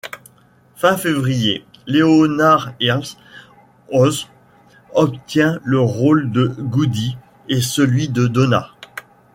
Fin février, Leonard Earl Howze obtient le rôle de Goody et celui de Donna.